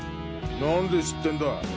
なんで知ってんだ？